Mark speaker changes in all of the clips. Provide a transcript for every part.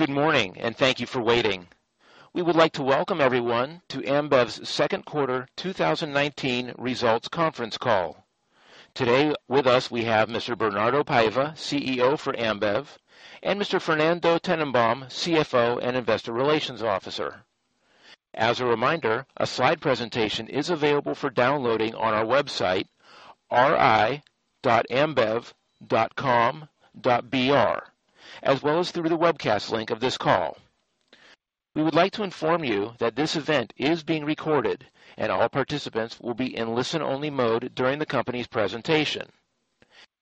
Speaker 1: Good morning, and thank you for waiting. We would like to welcome everyone to Ambev's Second Quarter 2019 Results Conference Call. Today with us, we have Mr. Bernardo Paiva, CEO for Ambev, and Mr. Fernando Tennenbaum, CFO and Investor Relations Officer. As a reminder, a slide presentation is available for downloading on our website, ri.ambev.com.br, as well as through the webcast link of this call. We would like to inform you that this event is being recorded and all participants will be in listen-only mode during the company's presentation.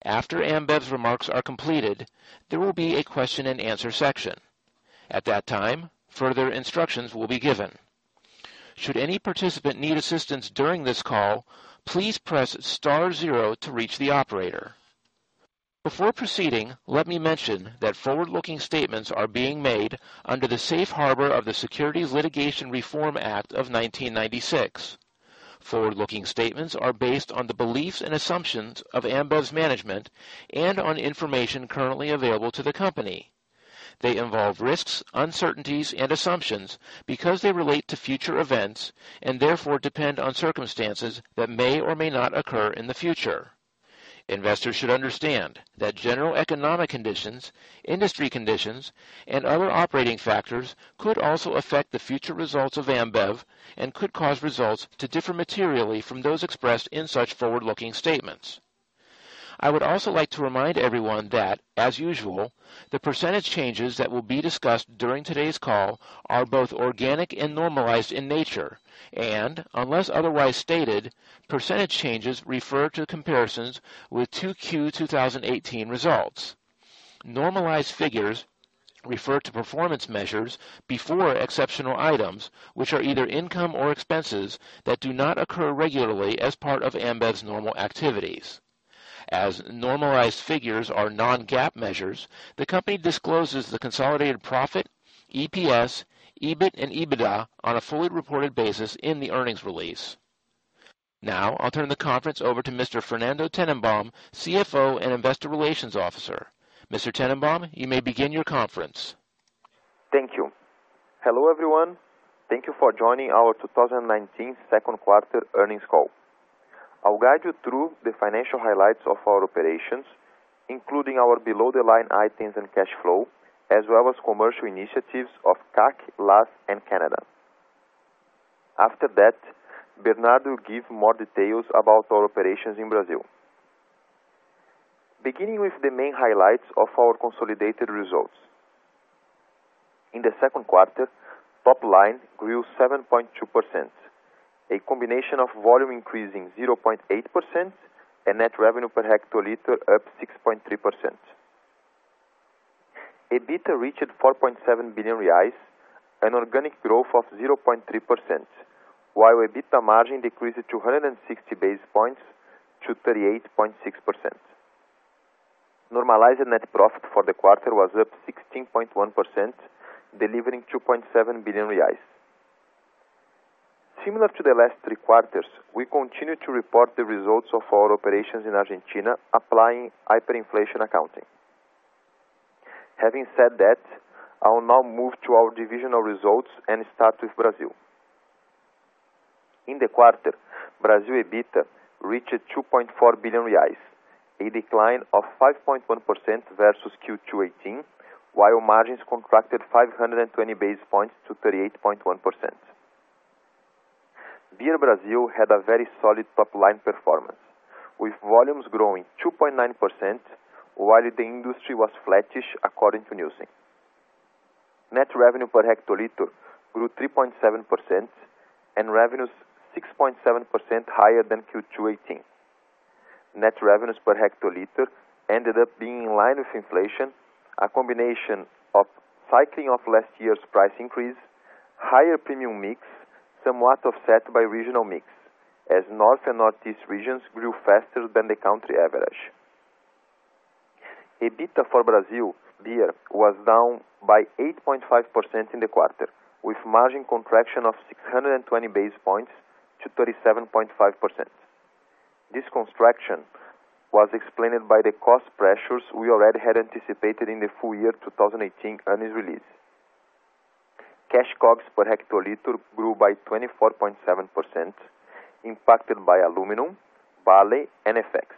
Speaker 1: After Ambev's remarks are completed, there will be a question-and-answer section. At that time, further instructions will be given. Should any participant need assistance during this call, please press star zero to reach the operator. Before proceeding, let me mention that forward-looking statements are being made under the Safe Harbor of the Private Securities Litigation Reform Act of 1996. Forward-looking statements are based on the beliefs and assumptions of Ambev's management and on information currently available to the company. They involve risks, uncertainties and assumptions because they relate to future events and therefore depend on circumstances that may or may not occur in the future. Investors should understand that general economic conditions, industry conditions, and other operating factors could also affect the future results of Ambev and could cause results to differ materially from those expressed in such forward-looking statements. I would also like to remind everyone that, as usual, the percentage changes that will be discussed during today's call are both organic and normalized in nature. Unless otherwise stated, percentage changes refer to comparisons with 2Q 2018 results. Normalized figures refer to performance measures before exceptional items, which are either income or expenses that do not occur regularly as part of Ambev's normal activities. As normalized figures are non-GAAP measures, the company discloses the consolidated profit, EPS, EBIT and EBITDA on a fully reported basis in the earnings release. Now I'll turn the conference over to Mr. Fernando Tennenbaum, CFO and Investor Relations Officer. Mr. Tennenbaum, you may begin your conference.
Speaker 2: Thank you. Hello, everyone. Thank you for joining our 2019 second quarter earnings call. I'll guide you through the financial highlights of our operations, including our below-the-line items and cash flow, as well as commercial initiatives of CAC, LAC, and Canada. After that, Bernardo will give more details about our operations in Brazil. Beginning with the main highlights of our consolidated results. In the second quarter, top line grew 7.2%, a combination of volume increasing 0.8% and net revenue per hectoliter up 6.3%. EBITDA reached 4.7 billion reais, an organic growth of 0.3%, while EBITDA margin decreased by 160 basis points to 38.6%. Normalized net profit for the quarter was up 16.1%, delivering 2.7 billion reais. Similar to the last three quarters, we continue to report the results of our operations in Argentina applying hyperinflation accounting. Having said that, I'll now move to our divisional results and start with Brazil. In the quarter, Brazil EBITDA reached 2.4 billion, a decline of 5.1% versus Q2 2018, while margins contracted 520 basis points to 38.1%. Beer Brazil had a very solid top-line performance, with volumes growing 2.9% while the industry was flattish according to Nielsen. Net revenue per hectoliter grew 3.7% and revenues 6.7% higher than Q2 2018. Net revenues per hectoliter ended up being in line with inflation, a combination of cycling of last year's price increase, higher premium mix, somewhat offset by regional mix, as North and Northeast regions grew faster than the country average. EBITDA for Brazil Beer was down by 8.5% in the quarter, with margin contraction of 620 basis points to 37.5%. This contraction was explained by the cost pressures we already had anticipated in the full year 2018 earnings release. Cash COGS per hectoliter grew by 24.7%, impacted by aluminum, Vale, and FX.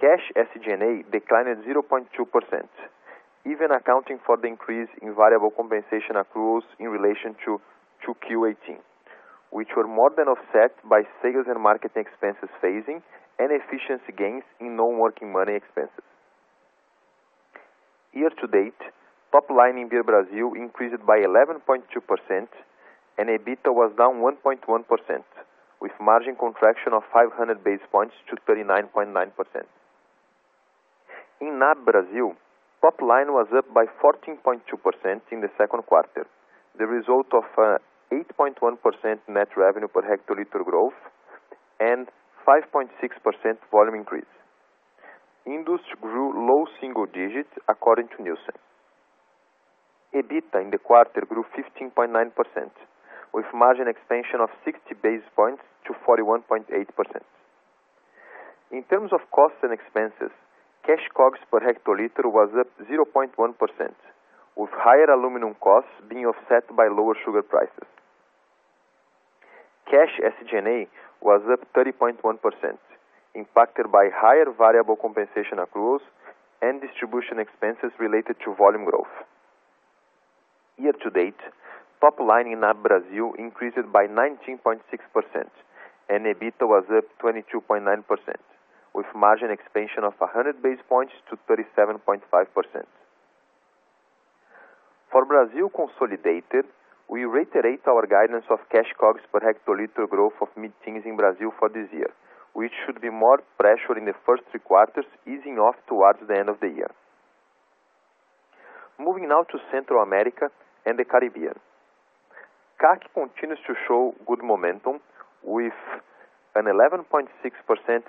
Speaker 2: Cash SG&A declined at 0.2%, even accounting for the increase in variable compensation accruals in relation to Q1 2018, which were more than offset by sales and marketing expenses phasing and efficiency gains in non-working money expenses. Year to date, top line in Beer Brazil increased by 11.2% and EBITDA was down 1.1%, with margin contraction of 500 basis points to 39.9%. In NAB Brazil, top line was up by 14.2% in the second quarter, the result of 8.1% net revenue per hectoliter growth and 5.6% volume increase. Industry grew low single digits according to Nielsen. EBITDA in the quarter grew 15.9%, with margin expansion of 60 basis points to 41.8%. In terms of costs and expenses, cash COGS per hectoliter was up 0.1%, with higher aluminum costs being offset by lower sugar prices. Cash SG&A was up 30.1%, impacted by higher variable compensation accruals and distribution expenses related to volume growth. Year to date, top line in Ambev Brasil increased by 19.6% and EBITDA was up 22.9% with margin expansion of 100 basis points to 37.5%. For Brazil consolidated, we reiterate our guidance of cash COGS per hectoliter growth of mid-teens in Brazil for this year, which should be more pressured in the first three quarters, easing off towards the end of the year. Moving now to Central America and the Caribbean. CAC continues to show good momentum with an 11.6%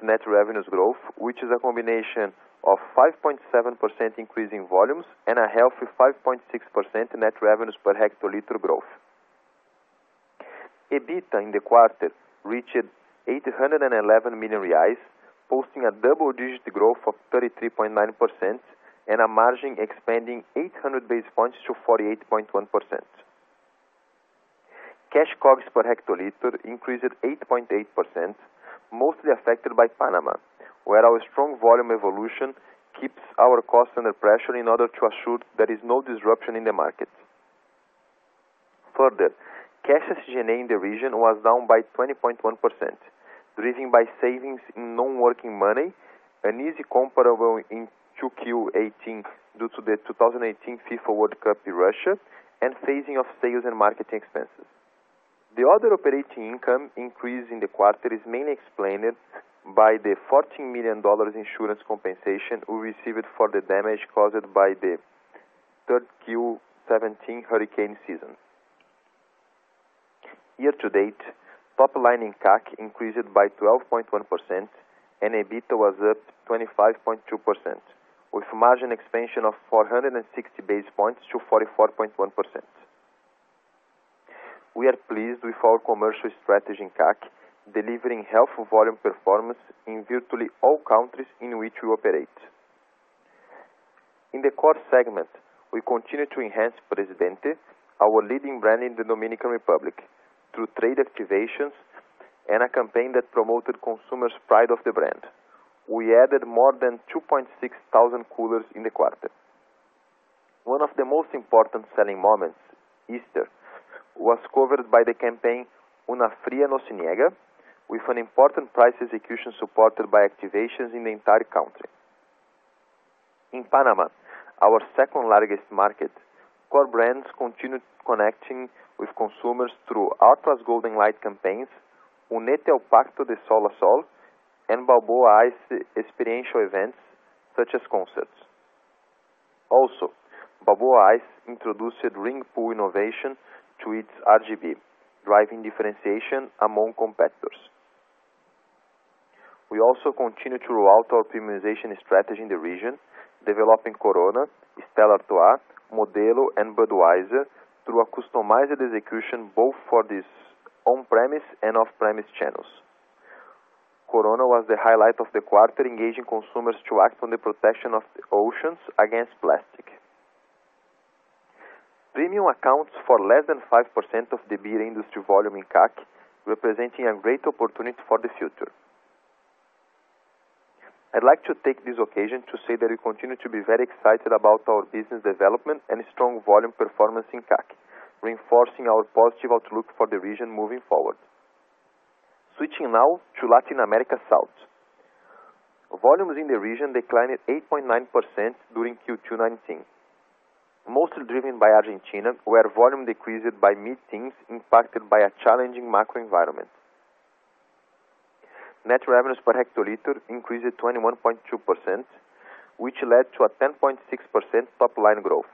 Speaker 2: net revenues growth, which is a combination of 5.7% increase in volumes and a healthy 5.6% net revenues per hectoliter growth. EBITDA in the quarter reached 811 million reais, posting a double-digit growth of 33.9% and a margin expanding 800 basis points to 48.1%. Cash COGS per hectoliter increased 8.8%, mostly affected by Panama, where our strong volume evolution keeps our costs under pressure in order to assure there is no disruption in the market. Further, cash SG&A in the region was down by 20.1%, driven by savings in non-working money, an easy comparable in 2Q 2018 due to the 2018 FIFA World Cup in Russia and phasing of sales and marketing expenses. The other operating income increase in the quarter is mainly explained by the $14 million insurance compensation we received for the damage caused by the 3Q 2017 hurricane season. Year to date, top line in CAC increased by 12.1% and EBITDA was up 25.2% with margin expansion of 460 basis points to 44.1%. We are pleased with our commercial strategy in CAC, delivering healthy volume performance in virtually all countries in which we operate. In the Core segment, we continue to enhance Presidente, our leading brand in the Dominican Republic, through trade activations and a campaign that promoted consumers' pride of the brand. We added more than 2,600 coolers in the quarter. One of the most important selling moments, Easter, was covered by the campaign Una Fría No Se Niega with an important price execution supported by activations in the entire country. In Panama, our second-largest market, core brands continued connecting with consumers through Atlas Golden Light campaigns, Únete al Pacto de Sol a Sol and Balboa Ice experiential events such as concerts. Also, Balboa Ice introduced ring pull innovation to its RGB, driving differentiation among competitors. We also continue to roll out our premiumization strategy in the region, developing Corona, Stella Artois, Modelo, and Budweiser through a customized execution both for this on-premise and off-premise channels. Corona was the highlight of the quarter, engaging consumers to act on the protection of the oceans against plastic. Premium accounts for less than 5% of the beer industry volume in CAC, representing a great opportunity for the future. I'd like to take this occasion to say that we continue to be very excited about our business development and strong volume performance in CAC, reinforcing our positive outlook for the region moving forward. Switching now to Latin America South. Volumes in the region declined 8.9% during Q2 2019. Mostly driven by Argentina, where volume decreased by mid-teens impacted by a challenging macro environment. Net revenues per hectoliter increased 21.2%, which led to a 10.6% top line growth.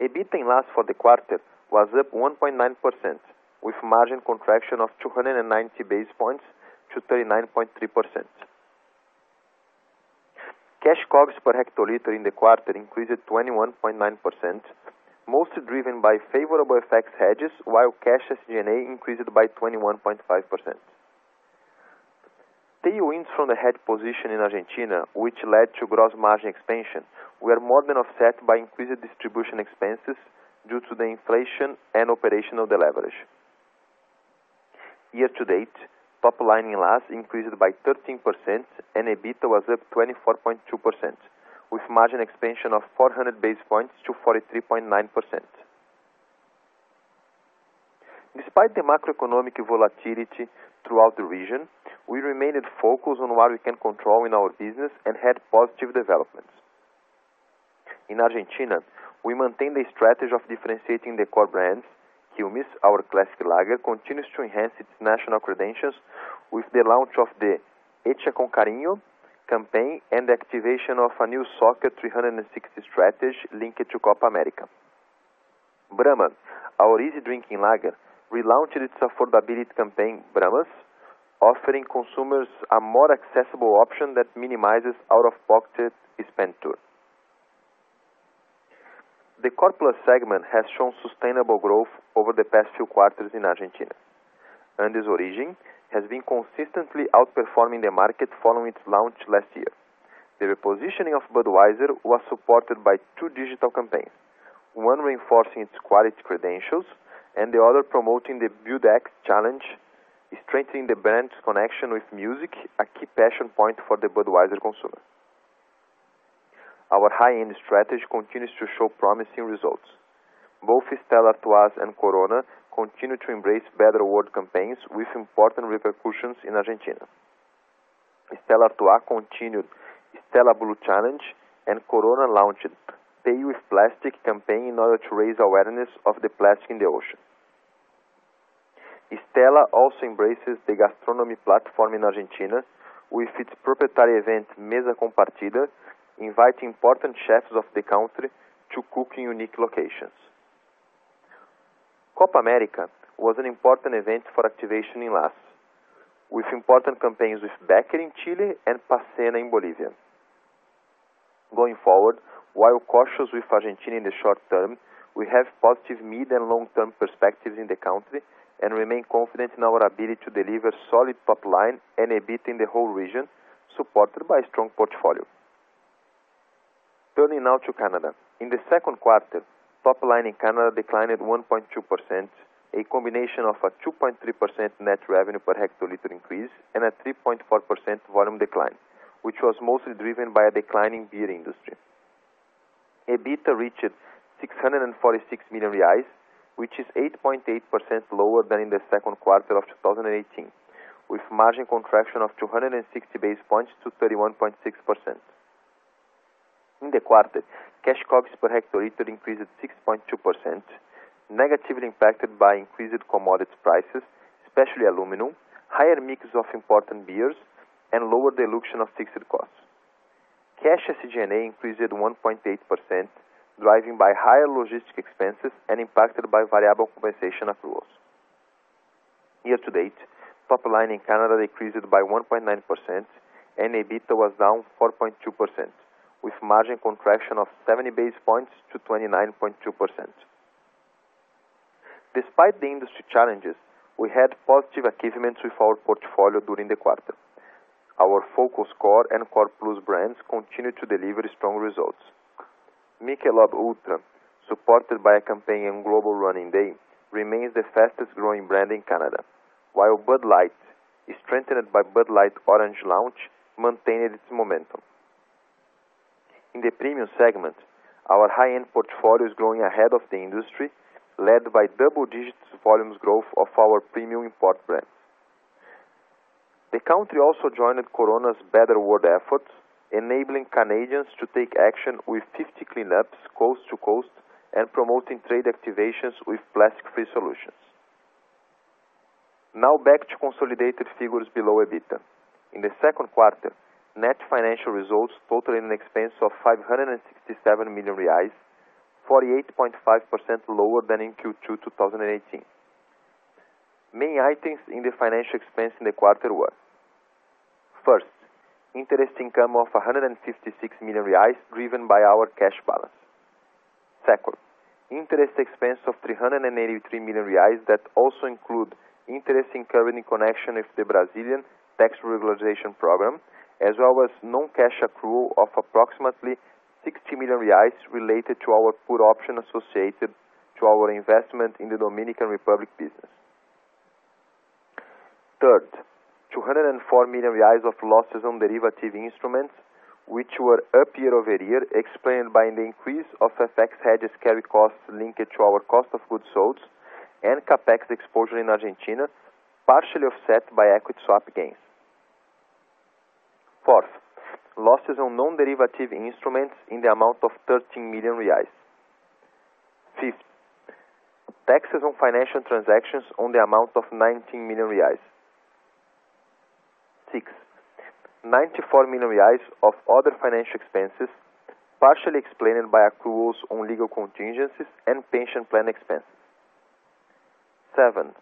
Speaker 2: EBITDA in LAC for the quarter was up 1.9% with margin contraction of 290 basis points to 39.3%. Cash COGS per hectoliter in the quarter increased 21.9%, mostly driven by favorable FX hedges, while cash SG&A increased by 21.5%. Tailwinds from the hedge position in Argentina, which led to gross margin expansion, were more than offset by increased distribution expenses due to inflation and operational deleverage. Year to date, top line in LAC increased by 13% and EBITDA was up 24.2% with margin expansion of 400 basis points to 43.9%. Despite the macroeconomic volatility throughout the region, we remained focused on what we can control in our business and had positive developments. In Argentina, we maintained the strategy of differentiating the core brands. Quilmes, our classic lager, continues to enhance its national credentials with the launch of the Hecha con Cariño campaign and activation of a new soccer 360 strategy linked to Copa América. Brahma, our easy drinking lager, relaunched its affordability campaign, Brahmás, offering consumers a more accessible option that minimizes out-of-pocket spend, too. The core plus segment has shown sustainable growth over the past few quarters in Argentina. Andes Origen has been consistently outperforming the market following its launch last year. The repositioning of Budweiser was supported by two digital campaigns, one reinforcing its quality credentials and the other promoting the BUDX challenge, strengthening the brand's connection with music, a key passion point for the Budweiser consumer. Our high-end strategy continues to show promising results. Both Stella Artois and Corona continue to embrace Better World campaigns with important repercussions in Argentina. Stella Artois continued Stella Bleu challenge, and Corona launched Pay With Plastic campaign in order to raise awareness of the plastic in the ocean. Stella also embraces the gastronomy platform in Argentina with its proprietary event, Mesa Compartida, inviting important chefs of the country to cook in unique locations. Copa América was an important event for activation in LAC, with important campaigns with Becker in Chile and Paceña in Bolivia. Going forward, while cautious with Argentina in the short term, we have positive mid- and long-term perspectives in the country and remain confident in our ability to deliver solid top line and EBIT in the whole region, supported by a strong portfolio. Turning now to Canada. In the second quarter, top line in Canada declined 1.2%, a combination of a 2.3% net revenue per hectoliter increase and a 3.4% volume decline, which was mostly driven by a declining beer industry. EBITDA reached 646 million reais, which is 8.8% lower than in the second quarter of 2018, with margin contraction of 260 basis points to 31.6%. In the quarter, cash COGS per hectoliter increased 6.2%, negatively impacted by increased commodity prices, especially aluminum, higher mix of imported beers, and lower dilution of fixed costs. Cash SG&A increased 1.8%, driven by higher logistics expenses and impacted by variable compensation accruals. Year to date, top line in Canada decreased by 1.9% and EBITDA was down 4.2%, with margin contraction of 70 basis points to 29.2%. Despite the industry challenges, we had positive achievements with our portfolio during the quarter. Our focus core and core plus brands continued to deliver strong results. Michelob ULTRA, supported by a campaign on Global Running Day, remains the fastest-growing brand in Canada, while Bud Light, strengthened by Bud Light Orange launch, maintained its momentum. In the Premium segment, our high-end portfolio is growing ahead of the industry, led by double-digit volumes growth of our premium import brands. The country also joined Corona's Better World efforts, enabling Canadians to take action with 50 cleanups coast to coast and promoting trade activations with plastic-free solutions. Now back to consolidated figures below EBITDA. In the second quarter, net financial results totaled an expense of 567 million reais, 48.5% lower than in Q2 2018. Main items in the financial expense in the quarter were, first, interest income of 156 million reais driven by our cash balance. Second, interest expense of 383 million reais that also include interest incurred in connection with the Brazilian tax regularization program, as well as non-cash accrual of approximately 60 million reais related to our put option associated to our investment in the Dominican Republic business. Third, 204 million reais of losses on derivative instruments, which were up year-over-year, explained by the increase of FX hedges carry costs linked to our cost of goods sold and CapEx exposure in Argentina, partially offset by equity swap gains. Fourth, losses on non-derivative instruments in the amount of 13 million reais. Fifth, taxes on financial transactions on the amount of 19 million reais. Six, 94 million reais of other financial expenses, partially explained by accruals on legal contingencies and pension plan expenses. Seven,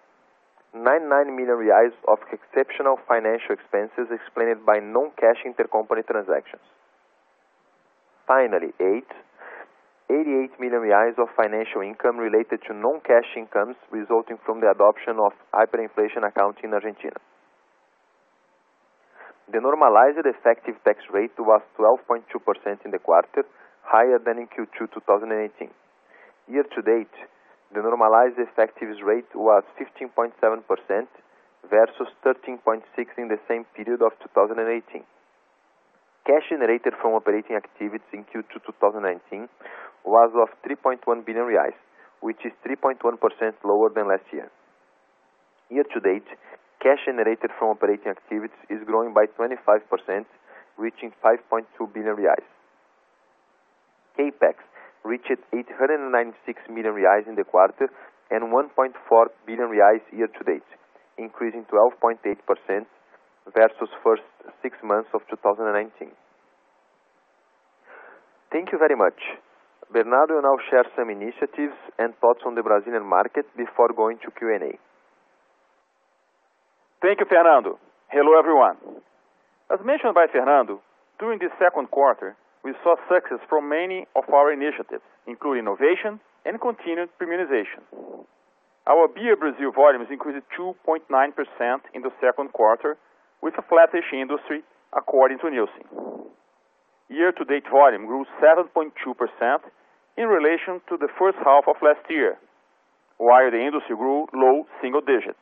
Speaker 2: 99 million reais of exceptional financial expenses explained by non-cash intercompany transactions. Finally, 88 million reais of financial income related to non-cash incomes resulting from the adoption of hyperinflation accounting in Argentina. The normalized effective tax rate was 12.2% in the quarter, higher than in Q2 2018. Year to date, the normalized effective rate was 15.7% versus 13.6% in the same period of 2018. Cash generated from operating activities in Q2 2019 was 3.1 billion reais, which is 3.1% lower than last year. Year to date, cash generated from operating activities is growing by 25%, reaching 5.2 billion reais. CapEx reached 896 million reais in the quarter and 1.4 billion reais year to date, increasing 12.8% versus first six months of 2019. Thank you very much. Bernardo will now share some initiatives and thoughts on the Brazilian market before going to Q&A.
Speaker 3: Thank you, Fernando. Hello, everyone. As mentioned by Fernando, during the second quarter, we saw success from many of our initiatives, including innovation and continued premiumization. Our beer Brazil volumes increased 2.9% in the second quarter, with a flattish industry, according to Nielsen. Year-to-date volume grew 7.2% in relation to the first half of last year, while the industry grew low single digits.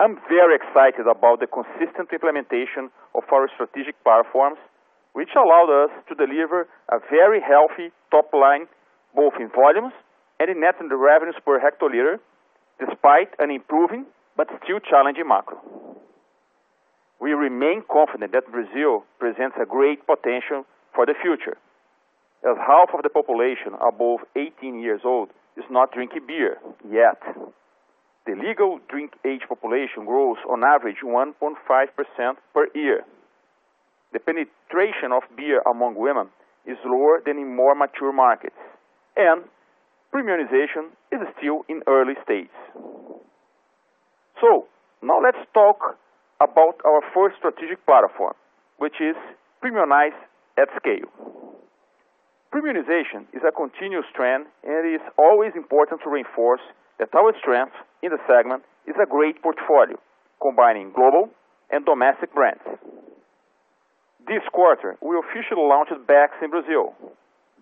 Speaker 3: I'm very excited about the consistent implementation of our strategic platforms, which allowed us to deliver a very healthy top line, both in volumes and in net and the revenues per hectoliter, despite an improving but still challenging macro. We remain confident that Brazil presents a great potential for the future, as half of the population above 18 years old is not drinking beer yet. The legal drink age population grows on average 1.5% per year. The penetration of beer among women is lower than in more mature markets, and premiumization is still in early stages. Now let's talk about our first strategic platform, which is premiumization at scale. Premiumization is a continuous trend, and it is always important to reinforce that our strength in the segment is a great portfolio, combining global and domestic brands. This quarter, we officially launched Beck's in Brazil.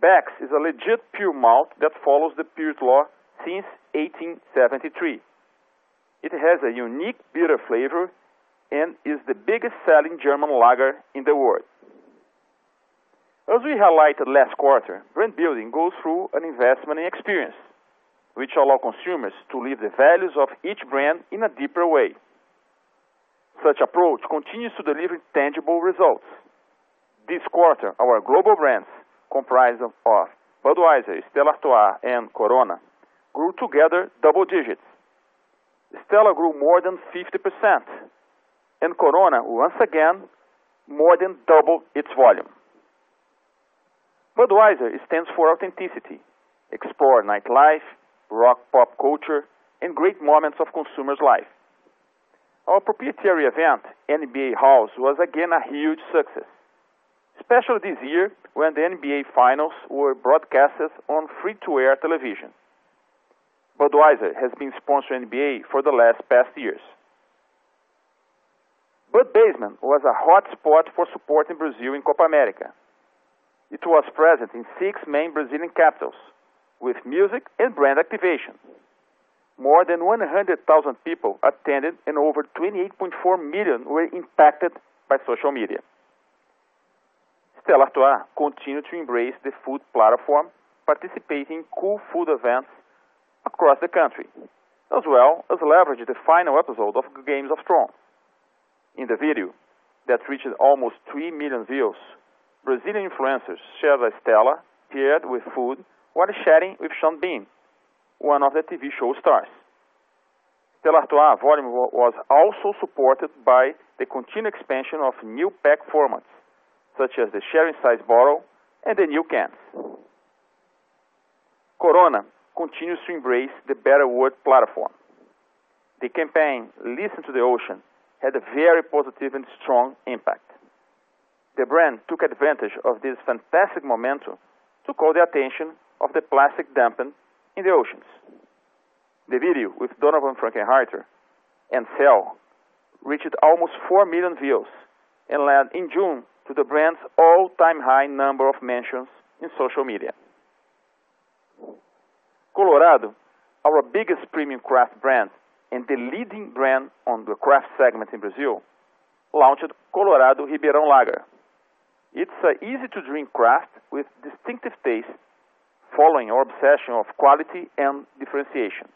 Speaker 3: Beck's is a legit pure malt that follows the Purity Law since 1873. It has a unique bitter flavor and is the biggest selling German lager in the world. As we highlighted last quarter, brand building goes through an investment and experience which allow consumers to live the values of each brand in a deeper way. Such approach continues to deliver tangible results. This quarter, our global brands, comprising of Budweiser, Stella Artois, and Corona grew together double digits. Stella grew more than 50%, and Corona once again more than doubled its volume. Budweiser stands for authenticity, explore nightlife, rock pop culture, and great moments of consumers' life. Our proprietary event, NBA House, was again a huge success, especially this year when the NBA finals were broadcasted on free-to-air television. Budweiser has been sponsoring NBA for the last past years. Bud Basement was a hot spot for support in Brazil in Copa América. It was present in six main Brazilian capitals with music and brand activation. More than 100,000 people attended and over 28.4 million were impacted by social media. Stella Artois continued to embrace the food platform, participating in cool food events across the country, as well as leverage the final episode of Game of Thrones. In the video that reached almost 3 million views, Brazilian influencers shared a Stella Artois paired with food while chatting with Sean Bean, one of the TV show stars. Stella Artois volume was also supported by the continued expansion of new pack formats, such as the sharing size bottle and the new cans. Corona continues to embrace the Better World platform. The campaign Listen to the Ocean had a very positive and strong impact. The brand took advantage of this fantastic momentum to call attention to the plastic dumping in the oceans. The video with Donavon Frankenreiter and Seu Jorge reached almost 4 million views and led in June to the brand's all-time high number of mentions in social media. Colorado, our biggest premium craft brand and the leading brand in the craft segment in Brazil, launched Colorado Ribeirão Lager. It's an easy-to-drink craft with distinctive taste, following our obsession of quality and differentiation.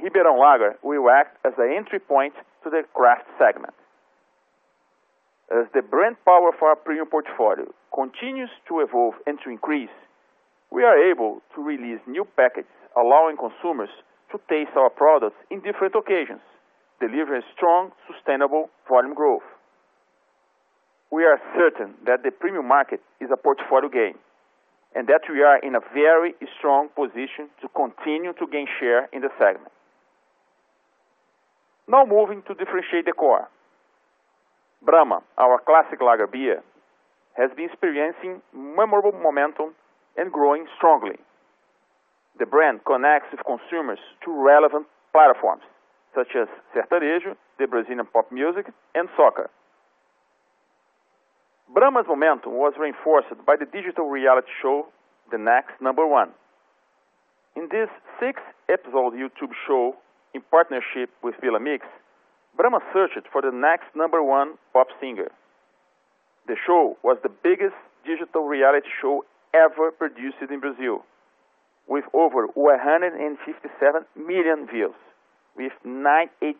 Speaker 3: Ribeirão Lager will act as an entry point to the craft segment. As the brand power for our premium portfolio continues to evolve and to increase, we are able to release new packs allowing consumers to taste our products in different occasions, delivering strong, sustainable volume growth. We are certain that the premium market is a portfolio gain and that we are in a very strong position to continue to gain share in the segment. Now moving to differentiate the core. Brahma, our classic lager beer, has been experiencing memorable momentum and growing strongly. The brand connects its consumers to relevant platforms such as Sertanejo, the Brazilian pop music, and soccer. Brahma's momentum was reinforced by the digital reality show, The Next Number One. In this six-episode YouTube show in partnership with Villa Mix, Brahma searched for the next number one pop singer. The show was the biggest digital reality show ever produced in Brazil, with over 157 million views with 98%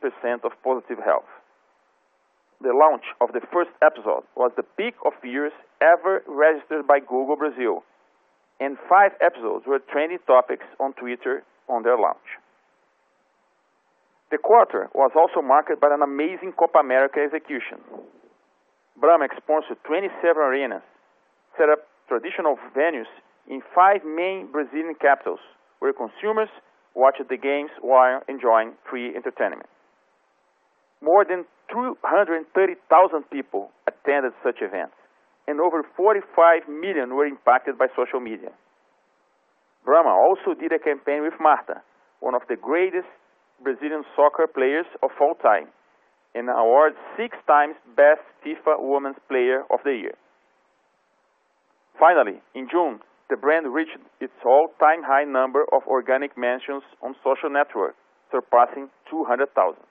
Speaker 3: positive sentiment. The launch of the first episode was the peak of views ever registered by Google Brazil, and five episodes were trending topics on Twitter on their launch. The quarter was also marked by an amazing Copa América execution. Brahma sponsored 27 arenas, set up traditional venues in five main Brazilian capitals, where consumers watched the games while enjoying free entertainment. More than 0.23 million people attended such events, and over 45 million were impacted by social media. Brahma also did a campaign with Marta, one of the greatest Brazilian soccer players of all time, and awarded six times Best FIFA Women's Player of the Year. Finally, in June, the brand reached its all-time high number of organic mentions on social media, surpassing 0.2 million.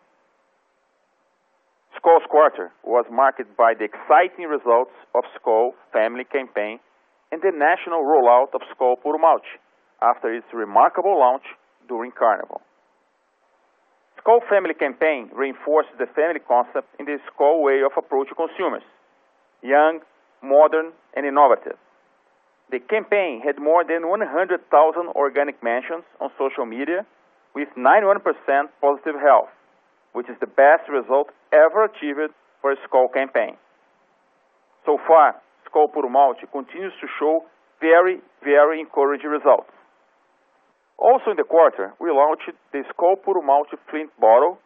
Speaker 3: Skol's quarter was marked by the exciting results of Skol Family campaign and the national rollout of Skol Puro Malte after its remarkable launch during Carnival. Skol Family campaign reinforced the family concept in the Skol way of approach to consumers, young, modern and innovative. The campaign had more than 100,000 organic mentions on social media with 91% positive sentiment, which is the best result ever achieved for a Skol campaign. So far, Skol Puro Malte continues to show very, very encouraging results. In the quarter, we launched the Skol Puro Malte twin bottle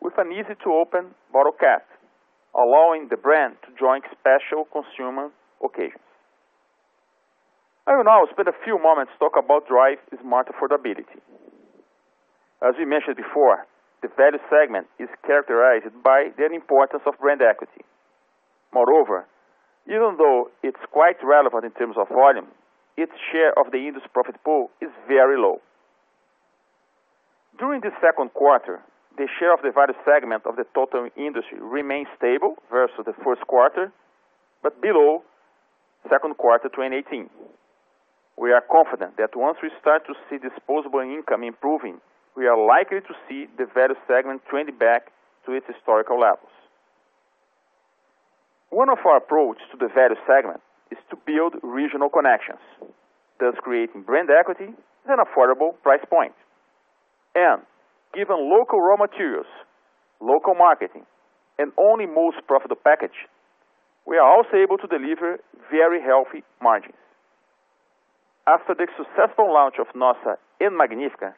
Speaker 3: with an easy-to-open bottle cap, allowing the brand to join special consumer occasions. I will now spend a few moments to talk about Brahmás affordability. As we mentioned before, the value segment is characterized by the importance of brand equity. Moreover, even though it's quite relevant in terms of volume, its share of the industry profit pool is very low. During the second quarter, the share of the value segment of the total industry remained stable versus the first quarter, but below second quarter 2018. We are confident that once we start to see disposable income improving, we are likely to see the value segment trending back to its historical levels. One of our approach to the value segment is to build regional connections, thus creating brand equity at an affordable price point. Given local raw materials, local marketing and only most profitable package, we are also able to deliver very healthy margins. After the successful launch of Nossa in Magnífica,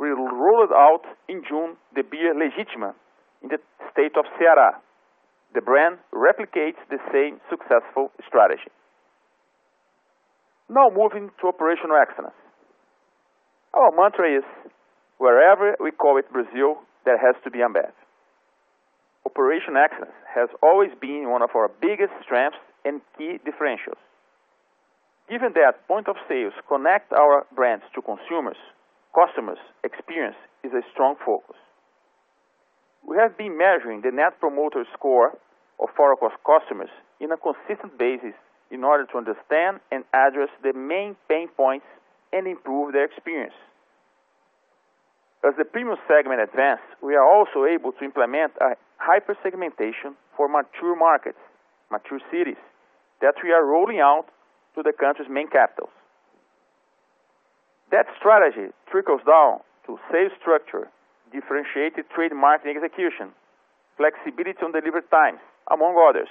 Speaker 3: we rolled out in June the beer Legítima in the state of Ceará. The brand replicates the same successful strategy. Now moving to operational excellence. Our mantra is, wherever we operate in Brazil, there has to be Ambev. Operational excellence has always been one of our biggest strengths and key differentials. Given that points of sale connect our brands to consumers, customer experience is a strong focus. We have been measuring the Net Promoter Score of Farol customers on a consistent basis in order to understand and address the main pain points and improve their experience. As the Premium segment advances, we are also able to implement a hyper-segmentation for mature markets, mature cities that we are rolling out to the country's main capitals. That strategy trickles down to sales structure, differentiated trade marketing execution, flexibility on delivery times, among others.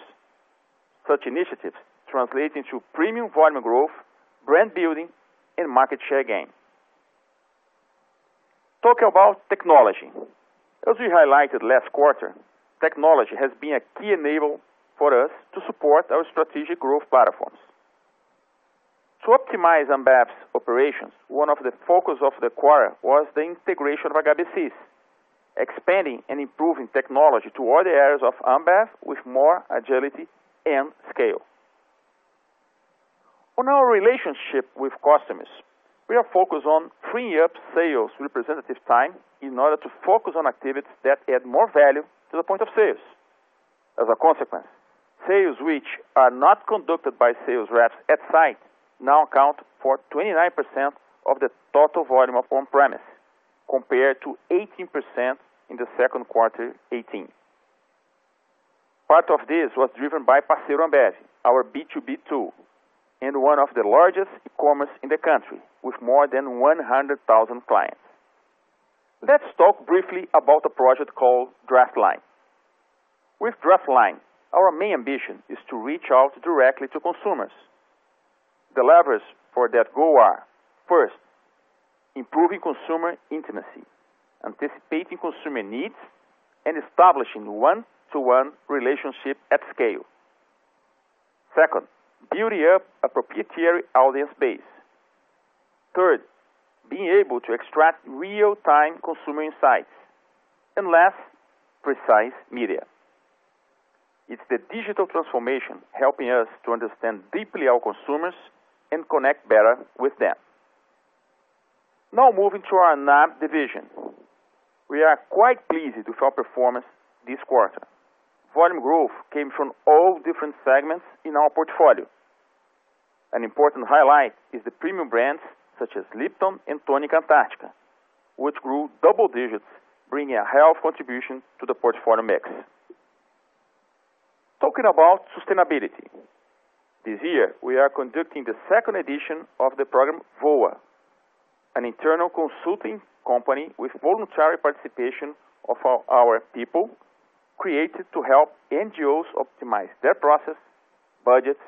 Speaker 3: Such initiatives translate into premium volume growth, brand building and market share gain. Talking about technology. As we highlighted last quarter, technology has been a key enabler for us to support our strategic growth platforms. To optimize Ambev's operations, one of the focus of the quarter was the integration of AB InBev's, expanding and improving technology to all the areas of Ambev with more agility and scale. On our relationship with customers, we are focused on freeing up sales representative time in order to focus on activities that add more value to the point of sales. As a consequence, sales which are not conducted by sales reps on-site now account for 29% of the total volume of on-premise, compared to 18% in the second quarter 2018. Part of this was driven by Parceiro Ambev, our B2B, and one of the largest e-commerce in the country with more than 100,000 clients. Let's talk briefly about a project called DraftLine. With DraftLine, our main ambition is to reach out directly to consumers. The levers for that goal are, first, improving consumer intimacy, anticipating consumer needs, and establishing one-to-one relationship at scale. Second, building up a proprietary audience base. Third, being able to extract real-time consumer insights and less precise media. It's the digital transformation helping us to understand deeply our consumers and connect better with them. Now moving to our NAB division. We are quite pleased with our performance this quarter. Volume growth came from all different segments in our portfolio. An important highlight is the premium brands such as Lipton and Tônica Antarctica, which grew double digits, bringing a high contribution to the portfolio mix. Talking about sustainability. This year, we are conducting the second edition of the program, VOA, an internal consulting company with voluntary participation of our people created to help NGOs optimize their process, budgets,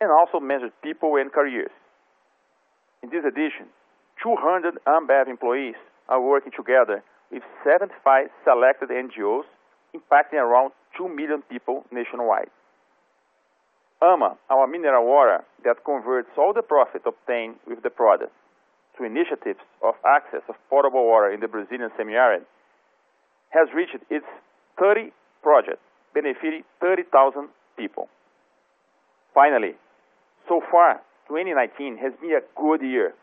Speaker 3: and also measure people and careers. In this edition, 200 Ambev employees are working together with 75 selected NGOs, impacting around 2 million people nationwide. AMA, our mineral water that converts all the profit obtained with the product to initiatives of access to potable water in the Brazilian semiarid, has reached its 30th project benefiting 30,000 people. Finally, so far, 2019 has been a good year.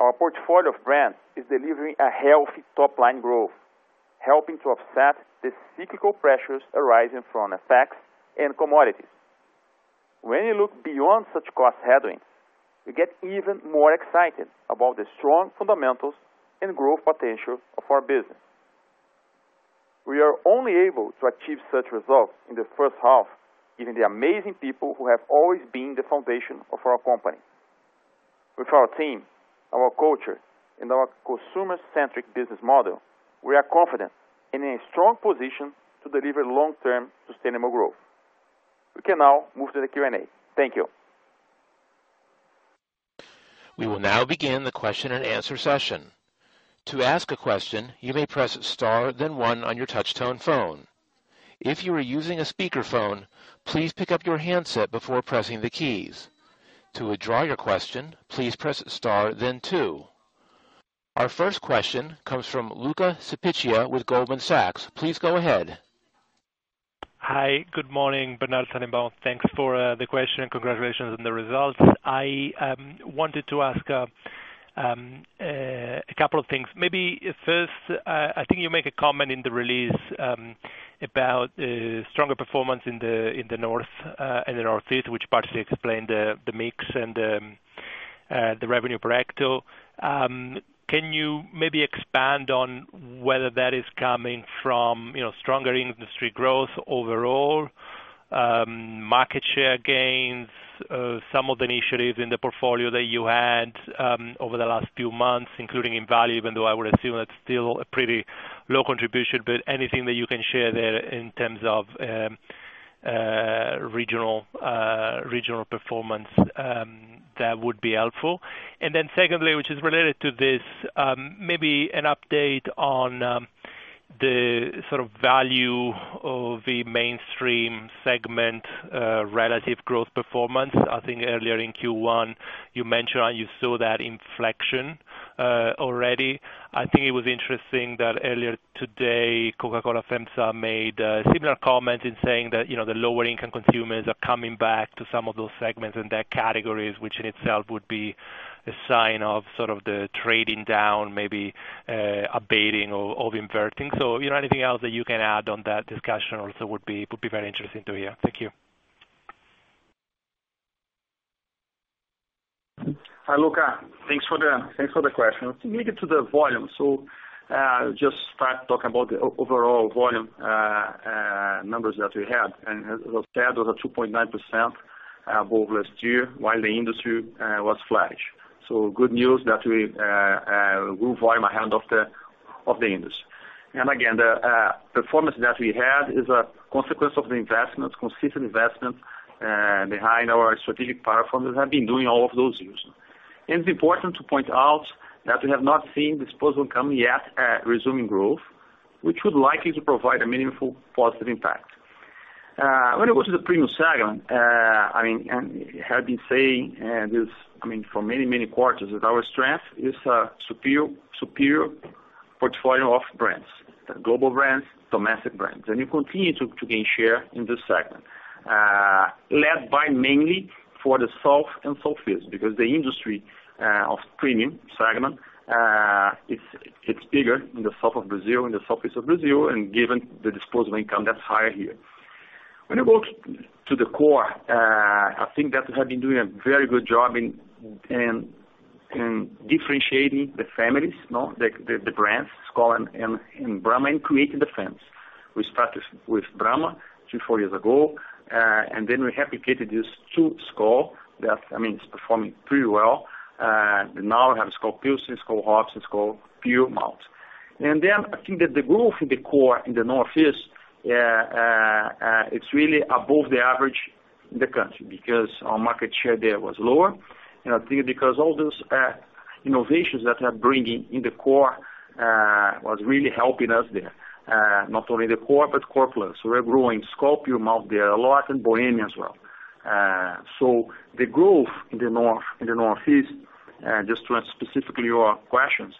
Speaker 3: Our portfolio of brands is delivering a healthy top line growth, helping to offset the cyclical pressures arising from FX and commodities. When you look beyond such cost headwinds, you get even more excited about the strong fundamentals and growth potential of our business. We are only able to achieve such results in the first half given the amazing people who have always been the foundation of our company. With our team, our culture, and our consumer-centric business model, we are confident and in a strong position to deliver long-term sustainable growth. We can now move to the Q&A. Thank you.
Speaker 1: We will now begin the question and answer session. To ask a question, you may press star then one on your touchtone phone. If you are using a speakerphone, please pick up your handset before pressing the keys. To withdraw your question, please press star then two. Our first question comes from Luca Cipiccia with Goldman Sachs. Please go ahead.
Speaker 4: Hi. Good morning, Bernardo, Tennenbaum. Thanks for the question, and congratulations on the results. I wanted to ask a couple of things. Maybe first, I think you make a comment in the release about the stronger performance in the north in the Northeast, which partially explained the mix and the revenue per hecto. Can you maybe expand on whether that is coming from, you know, stronger industry growth overall, market share gains, some of the initiatives in the portfolio that you had over the last few months, including in value even though I would assume that's still a pretty low contribution, but anything that you can share there in terms of regional performance that would be helpful. Then secondly, which is related to this, maybe an update on the sort of value of the mainstream segment, relative growth performance. I think earlier in Q1, you mentioned how you saw that inflection already. I think it was interesting that earlier today, Coca-Cola FEMSA made a similar comment in saying that, you know, the lower income consumers are coming back to some of those segments and their categories, which in itself would be a sign of sort of the trading down, maybe abating or inverting. You know, anything else that you can add on that discussion also would be very interesting to hear. Thank you.
Speaker 3: Hi, Luca. Thanks for the question. Related to the volume. Just start talking about the overall volume numbers that we had. As was said, it was 2.9% above last year, while the industry was flat. Good news that we grew volume ahead of the industry. Again, the performance that we had is a consequence of the consistent investment behind our strategic power brands that have been doing well all those years. It's important to point out that we have not seen disposable income yet resuming growth, which would likely provide a meaningful positive impact. When it goes to the Premium segment, I mean, and we have been saying, and this, I mean, for many quarters, that our strength is a superior portfolio of brands, global brands, domestic brands. We continue to gain share in this segment, led by mainly for the South and Southeast because the industry of Premium segment, it's bigger in the south of Brazil, in the Southeast of Brazil, and given the disposable income that's higher here. When you go to the core, I think that we have been doing a very good job in differentiating the families, no? The brands, Skol and Brahma, and creating the fence. We started with Brahma 24 years ago, and then we replicated this to Skol. That, I mean, it's performing pretty well. Now we have Skol Pilsen, Skol Hops, and Skol Puro Malte. I think that the growth in the core in the Northeast it's really above the average in the country because our market share there was lower. I think because all those innovations that are bringing in the core was really helping us there. Not only the core but core plus. We're growing Skol Puro Malte there a lot and Bohemia as well. The growth in the North, in the Northeast just to answer specifically your questions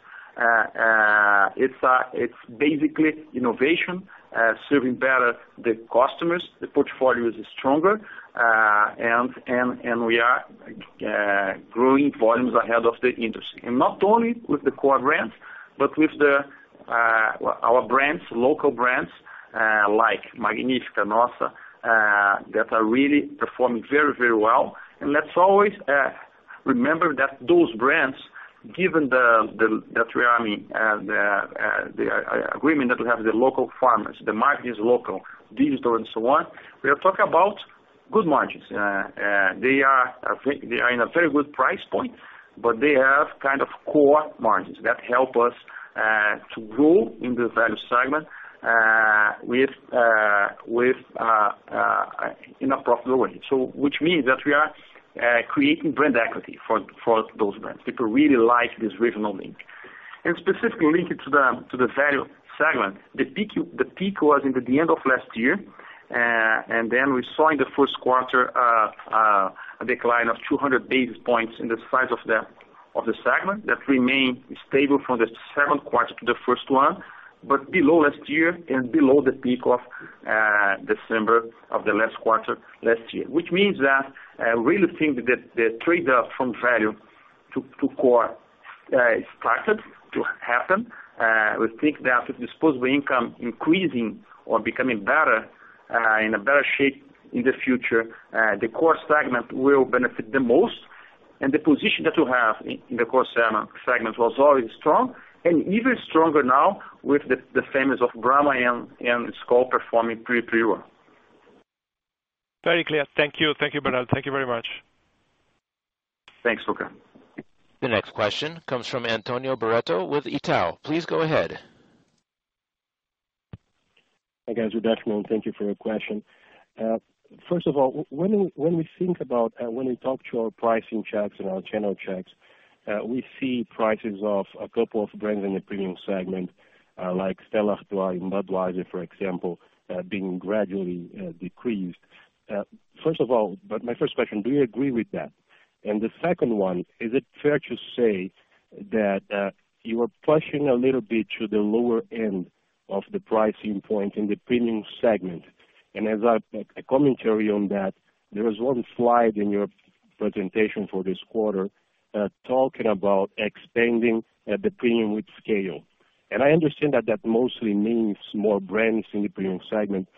Speaker 3: it's basically innovation serving better the customers. The portfolio is stronger and we are growing volumes ahead of the industry. Not only with the core brands, but with our brands, local brands, like Magnífica e Nossa, that are really performing very, very well. Let's always remember that those brands, given the agreement that we have with the local farmers, the marketing is local, digital and so on. We are talking about good margins. I think they are in a very good price point, but they have kind of core margins that help us to grow in the value segment in a profitable way. Which means that we are creating brand equity for those brands. People really like this regional link, specifically linked to the value segment. The peak was in the end of last year. We saw in the first quarter a decline of 200 basis points in the size of the segment that remained stable from the second quarter to the first one, but below last year and below the peak of December of the last quarter last year. Which means that really think that the trade off from value to core started to happen. We think that if disposable income increasing or becoming better in a better shape in the future the Core segment will benefit the most. The position that we have in the Core segment was always strong and even stronger now with the Brahma and Skol performing pretty well.
Speaker 4: Very clear. Thank you. Thank you, Bernardo Tenenbaum. Thank you very much.
Speaker 3: Thanks, Luca.
Speaker 1: The next question comes from Antônio Barreto with Itaú BBA. Please go ahead.
Speaker 5: Hi, guys. Good afternoon. Thank you for your question. First of all, when we talk to our pricing checks and our channel checks, we see prices of a couple of brands in the Premium segment, like Stella Artois and Budweiser, for example, being gradually decreased. My first question, do you agree with that? The second one, is it fair to say that you are pushing a little bit to the lower end of the pricing point in the Premium segment? As a commentary on that, there is one slide in your presentation for this quarter, talking about expanding the premium with scale. I understand that mostly means more brands in the premium segment.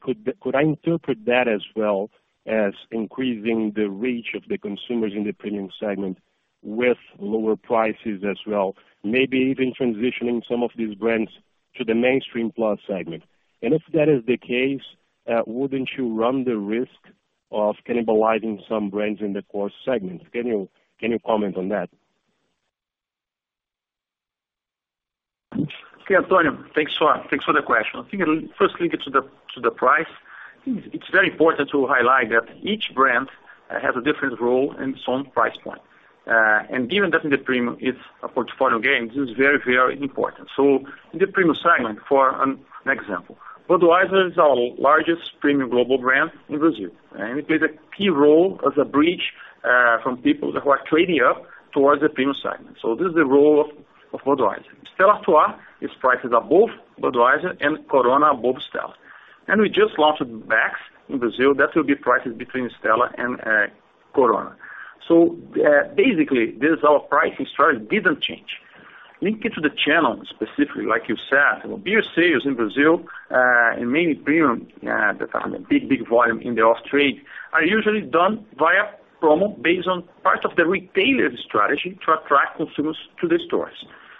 Speaker 5: Could I interpret that as well as increasing the reach of the consumers in the Premium segment with lower prices as well, maybe even transitioning some of these brands to the mainstream plus segment? If that is the case, wouldn't you run the risk of cannibalizing some brands in the Core segment? Can you comment on that?
Speaker 3: Okay, Antônio, thanks for the question. I think, firstly, to the price. It's very important to highlight that each brand has a different role and its own price point. In the premium, it's a portfolio gain, this is very, very important. In the Premium segment, for example. Budweiser is our largest premium global brand in Brazil, and it plays a key role as a bridge from people who are trading up towards the Premium segment. This is the role of Budweiser. Stella Artois prices are above Budweiser, and Corona above Stella. We just launched Beck's in Brazil. That will be priced between Stella and Corona. Basically, this is our pricing strategy didn't change. Linking to the channel specifically like you said, beer sales in Brazil, and mainly premium, that have a big volume in the off-trade, are usually done via promo based on part of the retailer's strategy to attract consumers to the stores.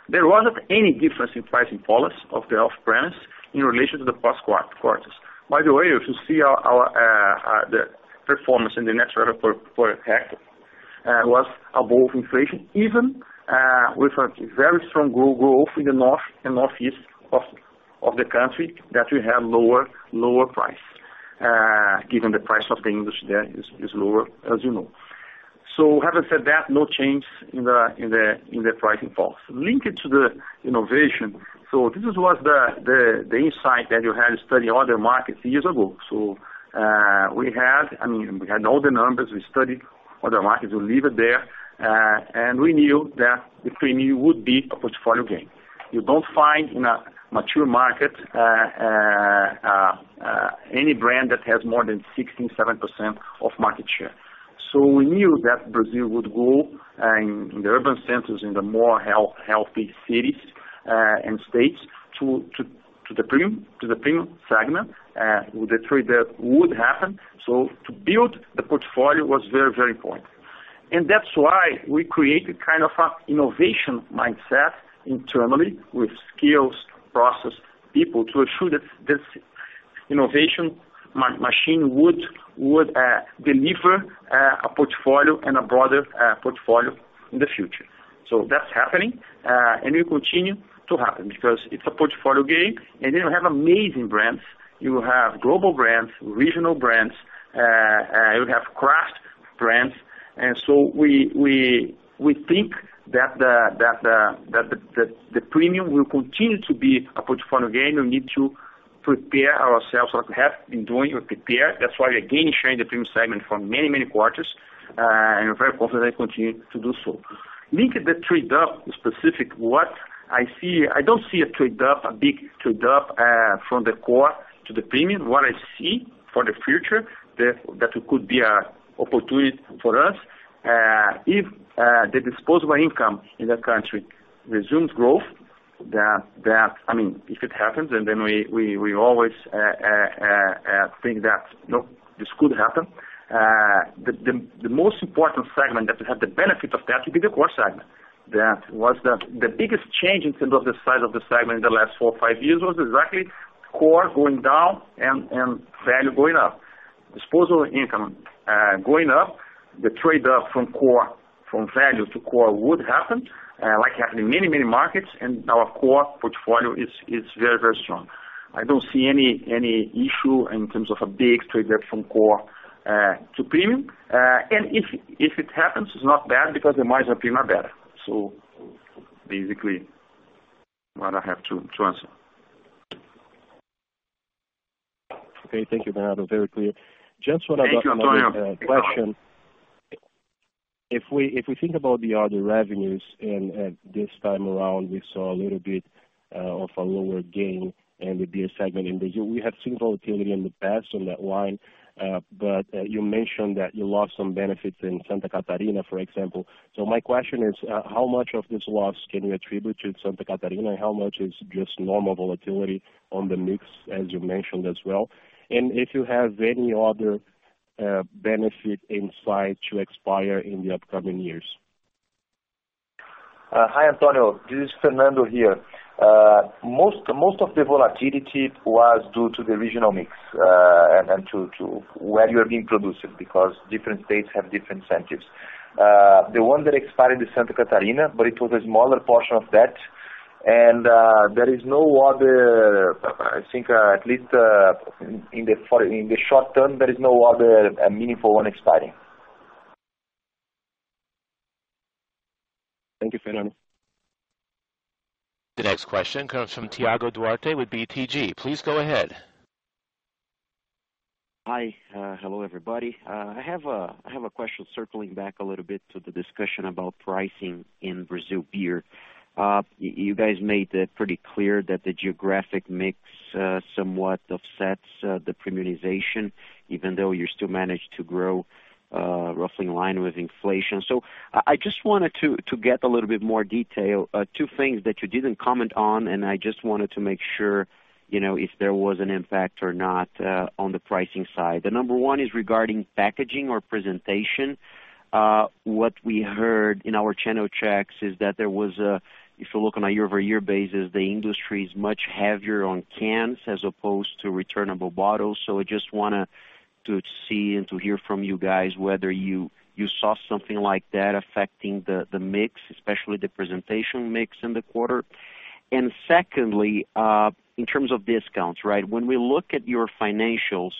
Speaker 3: There wasn't any difference in pricing policy of the off-premise in relation to the past quarters. By the way, if you see the performance in the on-trade revenue for Q2 was above inflation, even with a very strong growth in the north and northeast of the country that we have lower price, given the price of the industry there is lower, as you know. Having said that, no change in the pricing policy. Linked to the innovation. This is what the insight that you had to study other markets years ago. I mean, we had all the numbers. We studied other markets. We leave it there. We knew that the premium would be a portfolio gain. You don't find in a mature market any brand that has more than 16%-17% of market share. We knew that Brazil would go in the urban centers, in the more healthy cities and states to the Premium segment with the trade that would happen. To build the portfolio was very important. That's why we created kind of a innovation mindset internally with skills, process, people to ensure that this innovation machine would deliver a portfolio and a broader portfolio in the future. That's happening, and it continue to happen because it's a portfolio gain, and you have amazing brands. You have global brands, regional brands, you have craft brands. We think that the premium will continue to be a portfolio gain. We need to prepare ourselves, like we have been doing, we prepare. That's why we again sharing the Premium segment for many, many quarters. We're very confident continue to do so. Linking the trade up specific what I see, I don't see a trade up, a big trade up from the core to the premium. What I see for the future, that could be an opportunity for us, if the disposable income in the country resumes growth. I mean, if it happens, and then we always think that, nope, this could happen. The most important segment that will have the benefit of that would be the Core segment. That was the biggest change in terms of the size of the segment in the last four or five years was exactly core going down and value going up. Disposable income going up, the trade up from value to core would happen, like happened in many markets, and our core portfolio is very strong. I don't see any issue in terms of a big trade up from core to premium. If it happens, it's not bad because the margins are pretty much better. Basically what I have to answer.
Speaker 5: Okay. Thank you, Bernardo. Very clear. Just one other
Speaker 3: Thank you, Antônio.
Speaker 5: If we think about the other revenues and at this time around, we saw a little bit of a lower gain in the beer segment. In the year, we have seen volatility in the past on that line. You mentioned that you lost some benefits in Santa Catarina, for example. My question is, how much of this loss can you attribute to Santa Catarina? How much is just normal volatility on the mix, as you mentioned as well? If you have any other benefit insight to expire in the upcoming years.
Speaker 2: Hi, Antônio. This is Fernando here. Most of the volatility was due to the regional mix and to where you're being produced because different states have different incentives. The one that expired in Santa Catarina, but it was a smaller portion of that. There is no other, I think, at least in the short term, there is no other meaningful one expiring.
Speaker 5: Thank you, Fernando.
Speaker 1: The next question comes from Thiago Duarte with BTG Pactual. Please go ahead.
Speaker 6: Hi. Hello, everybody. I have a question circling back a little bit to the discussion about pricing in Brazil beer. You guys made it pretty clear that the geographic mix somewhat offsets the premiumization, even though you still managed to grow roughly in line with inflation. I just wanted to get a little bit more detail, two things that you didn't comment on, and I just wanted to make sure, you know, if there was an impact or not, on the pricing side. The number one is regarding packaging or presentation. What we heard in our channel checks is that if you look on a year-over-year basis, the industry is much heavier on cans as opposed to returnable bottles. I just want to see and to hear from you guys whether you saw something like that affecting the mix, especially the premium mix in the quarter. Secondly, in terms of discounts, right? When we look at your financials,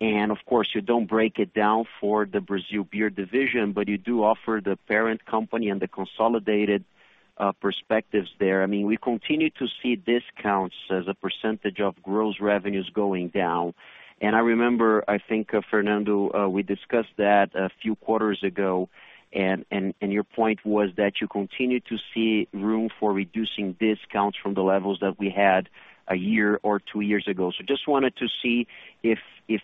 Speaker 6: and of course, you don't break it down for the Brazil Beer division, but you do offer the parent company and the consolidated perspectives there. I mean, we continue to see discounts as a percentage of gross revenues going down. I remember, I think, Fernando, we discussed that a few quarters ago, and your point was that you continue to see room for reducing discounts from the levels that we had a year or two years ago. Just wanted to see if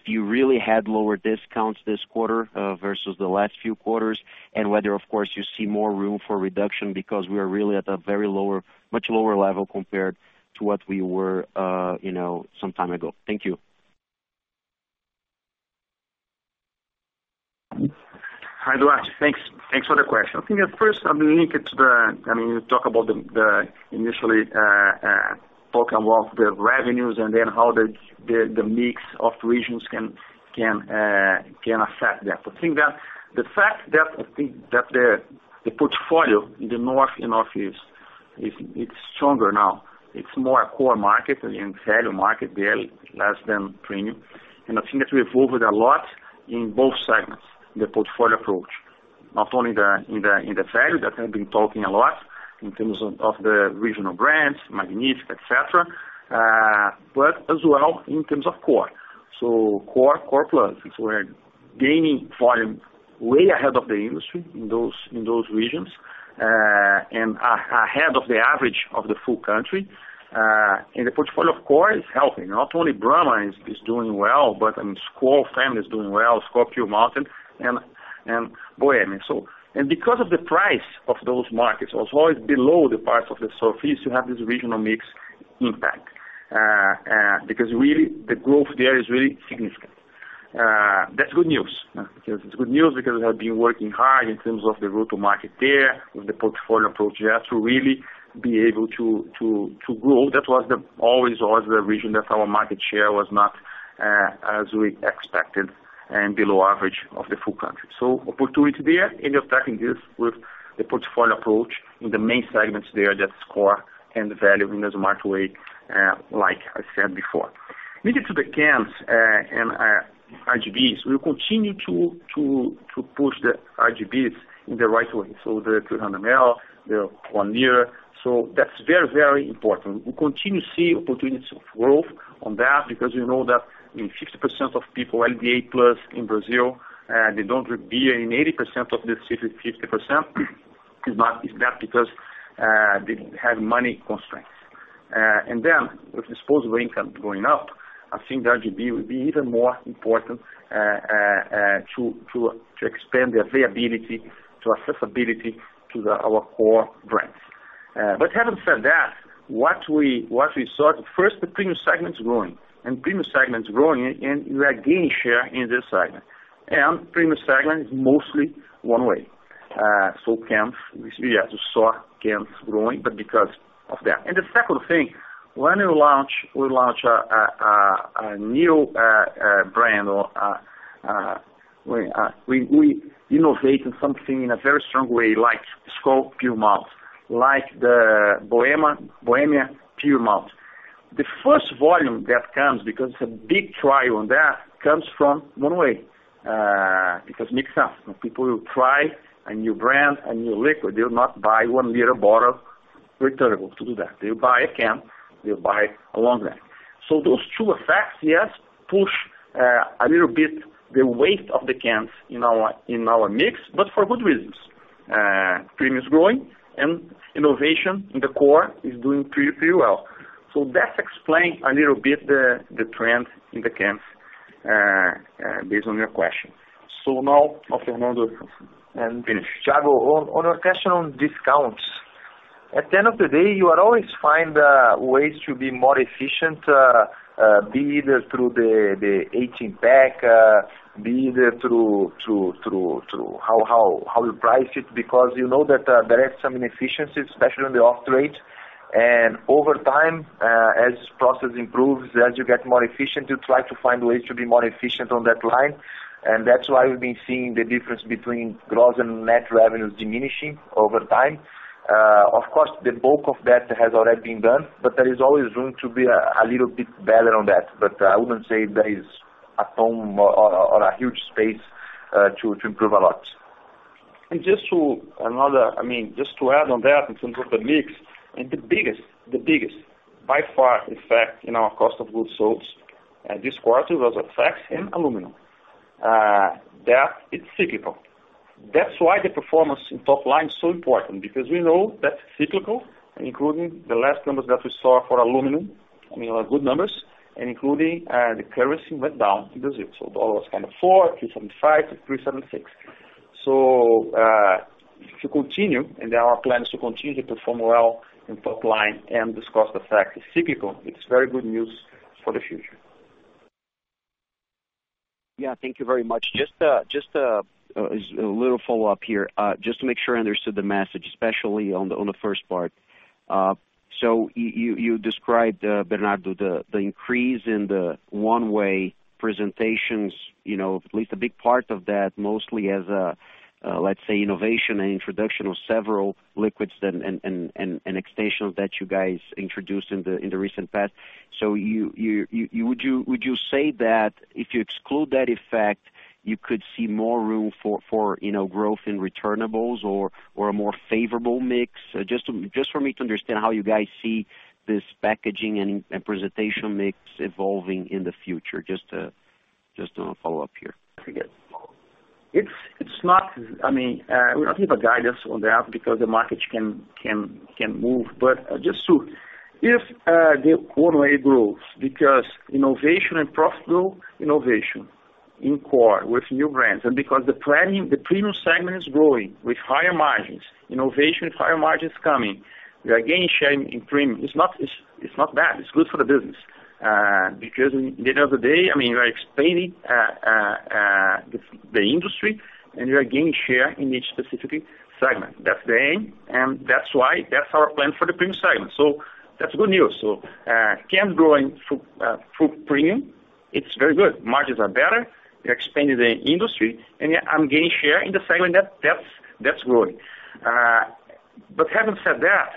Speaker 6: you really had lower discounts this quarter versus the last few quarters, and whether, of course, you see more room for reduction because we are really at a very lower, much lower level compared to what we were, you know, some time ago. Thank you.
Speaker 3: Hi, Duarte. Thanks for the question. I think at first I will link it to the, I mean, you talk about the initial, talking about the revenues and then how the mix of regions can affect that. I think that the fact that the portfolio in the North and Northeast is stronger now. It's more a core market and value market there less than premium. I think that we evolved a lot in both segments, the portfolio approach. Not only in the value that I've been talking a lot in terms of the regional brands, Magnífica, et cetera, but as well in terms of core. Core, Core plus, is that we're gaining volume way ahead of the industry in those regions, and ahead of the average of the full country. The portfolio core is helping. Not only Brahma is doing well, but I mean, Skol family is doing well, Skol Puro Malte and Bohemia. Because the prices of those markets were always below the prices of the Southeast, you have this regional mix impact, because really the growth there is really significant. That's good news. It's good news because we have been working hard in terms of the route to market there with the portfolio approach there to really be able to grow. That was always the region that our market share was not as we expected and below average of the full country. Opportunity there, and you're attacking this with the portfolio approach in the main segments there, that's core and value in a smart way, like I said before. Related to the cans and RGBs, we continue to push the RGBs in the right way. The 300 ml, the 1 liter. That's very important. We continue to see opportunities of growth on that because we know that in 60% of people LDA plus in Brazil, they don't drink beer in 80% of the city, 50% is not because they have money constraints. And then with disposable income going up, I think the RGB will be even more important to expand the availability to accessibility to our core brands. Having said that, what we saw, first the Premium segment is growing, and we are gaining share in this segment. Premium segment is mostly one way. So cans, we saw cans growing, but because of that. The second thing, when we launch a new brand or we innovate in something in a very strong way, like Skol Puro Malte, like the Bohemia Puro Malte. The first volume that comes, because it's a big trial on that, comes from one way, because mix up. People will try a new brand, a new liquid. They'll not buy one liter bottle returnable to do that. They'll buy a can, they'll buy a long neck. Those two effects, yes, push a little bit the weight of the cans in our mix, but for good reasons. Premium is growing and innovation in the core is doing pretty well. That explains a little bit the trend in the cans, based on your question. Now, Fernando. Finish.
Speaker 2: Thiago, on your question on discounts. At the end of the day, you will always find ways to be more efficient, be either through the 18 pack, be either through how you price it, because you know that there is some inefficiencies, especially on the off trade. Over time, as this process improves, as you get more efficient, you try to find ways to be more efficient on that line. That's why we've been seeing the difference between gross and net revenues diminishing over time. Of course, the bulk of that has already been done, but there is always room to be a little bit better on that. I wouldn't say there is a ton or a huge space to improve a lot.
Speaker 3: Just to add on that in terms of the mix and the biggest by far effect in our cost of goods sold this quarter was effects in aluminum. That is cyclical. That's why the performance in top line is so important because we know that's cyclical, including the last numbers that we saw for aluminum. I mean, good numbers, and including the currency went down in Brazil. The dollar was kind of 4.375%-3.76%. If you continue, and our plan is to continue to perform well in top line and this cost effect is cyclical, it's very good news for the future.
Speaker 6: Yeah. Thank you very much. Just a little follow-up here, just to make sure I understood the message, especially on the first part. So you described, Bernardo, the increase in the one-way presentations, you know, at least a big part of that mostly as a, let's say, innovation and introduction of several liquids and extensions that you guys introduced in the recent past. Would you say that if you exclude that effect, you could see more room for, you know, growth in returnables or a more favorable mix? Just for me to understand how you guys see this packaging and presentation mix evolving in the future. Just to follow up here.
Speaker 3: I forget. It's not. I mean, we don't give guidance on that because the markets can move. Just to. If the volume grows because innovation and profitable innovation in core with new brands, and because the Premium segment is growing with higher margins, innovation with higher margins coming, we are gaining share in premium. It's not bad. It's good for the business. Because at the end of the day, I mean, we are expanding the industry, and we are gaining share in each specific segment. That's the aim, and that's why that's our plan for the Premium segment. That's good news. Volume growing through premium, it's very good. Margins are better. We are expanding the industry, and I'm gaining share in the segment that's growing. Having said that,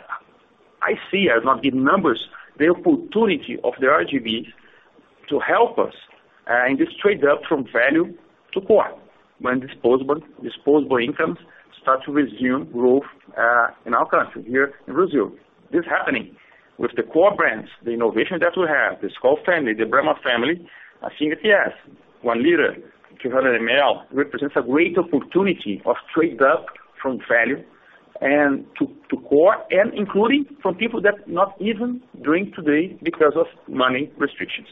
Speaker 3: I've not given numbers, the opportunity of the RGB to help us in this trade up from value to core when disposable incomes start to resume growth in our country here in Brazil. This is happening with the core brands, the innovation that we have, the Skol family, the Brahma family. I think the CS, 1 liter, 200 ml represents a great opportunity of trade up from value and to core, and including from people that not even drink today because of money restrictions.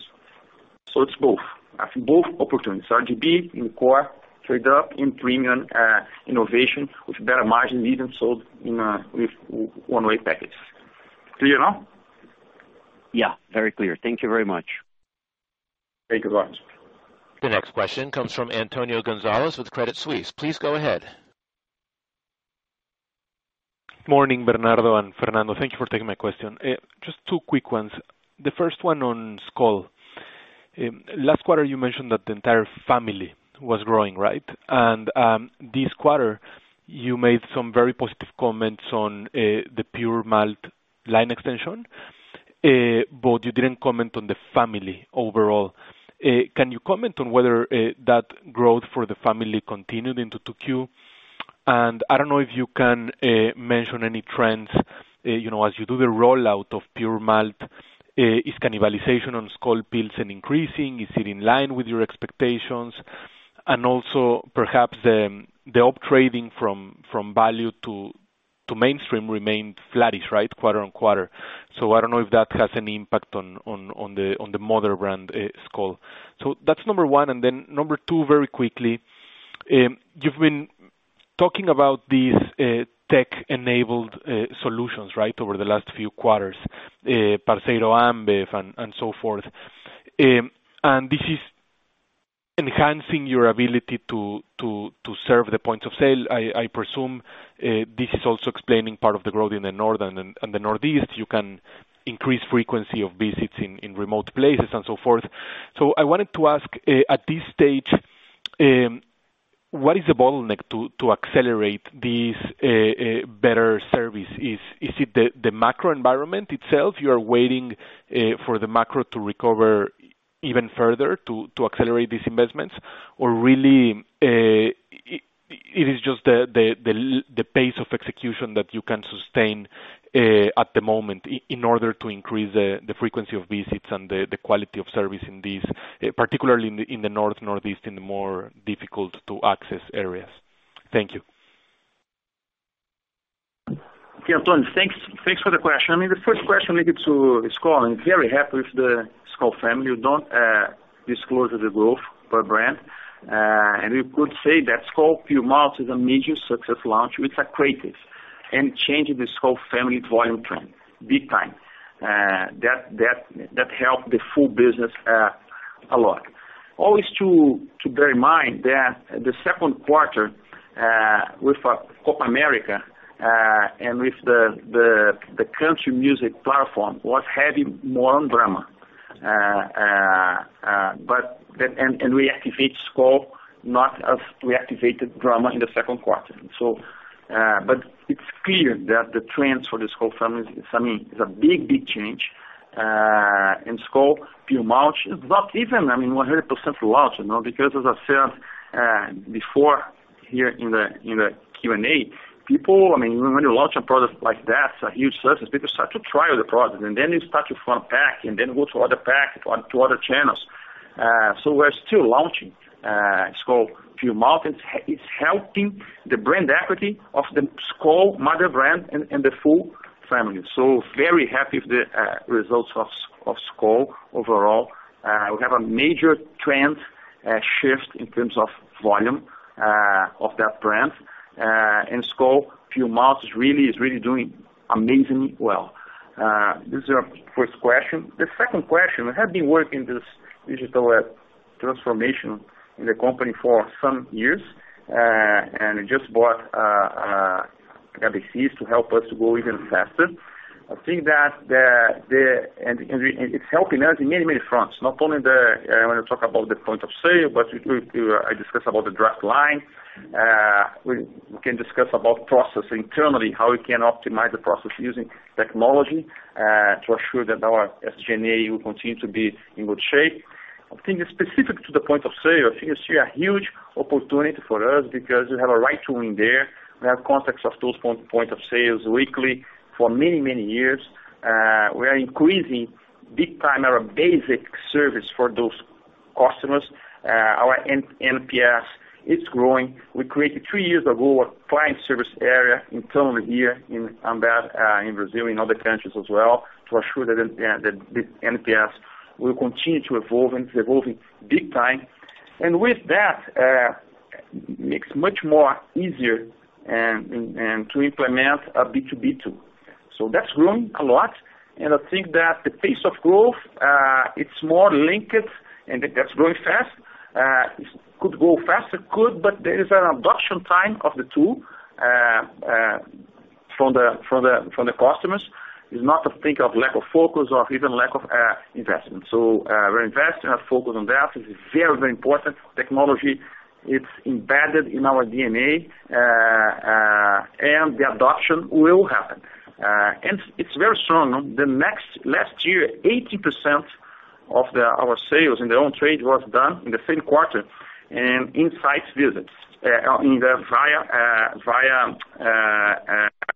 Speaker 3: It's both. I think both opportunities. RGB in core, trade up in premium, innovation with better margin even sold with one way packets. Clear now?
Speaker 6: Yeah, very clear. Thank you very much.
Speaker 3: Thank you very much.
Speaker 1: The next question comes from Antonio Gonzalez with Credit Suisse. Please go ahead.
Speaker 7: Morning, Bernardo and Fernando. Thank you for taking my question. Just two quick ones. The first one on Skol. Last quarter you mentioned that the entire family was growing, right? This quarter you made some very positive comments on the Pure Malt line extension, but you didn't comment on the family overall. Can you comment on whether that growth for the family continued into 2Q? I don't know if you can mention any trends, you know, as you do the rollout of Pure Malt. Is cannibalization on Skol Pilsen increasing? Is it in line with your expectations? Also perhaps the up trading from value to mainstream remained flattish, right, quarter on quarter. I don't know if that has any impact on the mother brand, Skol. That's number one, and then number two, very quickly. You've been talking about these tech-enabled solutions, right? Over the last few quarters, Parceiro Ambev and so forth. This is enhancing your ability to serve the points of sale, I presume. This is also explaining part of the growth in the North and the Northeast. You can increase frequency of visits in remote places and so forth. I wanted to ask, at this stage, what is the bottleneck to accelerate these better service? Is it the macro environment itself? You are waiting for the macro to recover even further to accelerate these investments? Really, it is just the pace of execution that you can sustain at the moment in order to increase the frequency of visits and the quality of service in these, particularly in the North, Northeast, in the more difficult to access areas. Thank you.
Speaker 3: Okay, Antonio, thanks for the question. I mean, the first question related to Skol, and very happy with the Skol family. We don't disclose the growth per brand. And we could say that Skol Pure Malt is a major success launch with a creative and changing the Skol family volume trend big time. That helped the full business a lot. Always to bear in mind that the second quarter, with Copa América, and with the country music platform was heavily more on Brahma. But that and reactivate Skol, not as reactivated Brahma in the second quarter. But it's clear that the trends for the Skol family is, I mean, is a big change. Skol Puro Malte is not even, I mean, 100% launched, you know, because as I said, before here in the Q&A, people, I mean, when you launch a product like that, a huge success, people start to try the product, and then you start to front pack and then go to other pack, on to other channels. We're still launching Skol Puro Malte. It's helping the brand equity of the Skol mother brand and the full family. Very happy with the results of Skol overall. We have a major trend shift in terms of volume of that brand. Skol Puro Malte is really doing amazingly well. This is your first question. The second question, we have been working this digital transformation in the company for some years. We just bought BEES to help us to go even faster. I think that it's helping us in many fronts, not only when you talk about the point of sale, but we I discussed about the DraftLine. We can discuss about process internally, how we can optimize the process using technology to ensure that our SG&A will continue to be in good shape. I think it's specific to the point of sale. I think you see a huge opportunity for us because we have a right to win there. We have contacts of those points of sales weekly for many years. We are increasing big time our basic service for those customers. Our NPS is growing. We created three years ago a client service area internally here in Ambev in Brazil, in other countries as well, to ensure that the NPS will continue to evolve, and it's evolving big time. With that makes much more easier to implement a B2B. That's growing a lot. I think that the pace of growth, it's more linked, and that's growing fast. Could grow faster? Could, but there is an adoption time of the tool from the customers. It's not to think of lack of focus or even lack of investment. We're investing. Our focus on that is very, very important. Technology, it's embedded in our DNA. The adoption will happen. It's very strong. Last year, 80% of our sales in the on-trade was done in the same quarter and on-site visits via